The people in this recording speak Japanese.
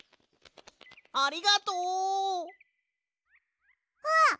ありがとう！あっ！